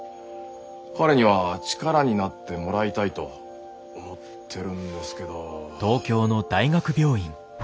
彼には力になってもらいたいと思ってるんですけど。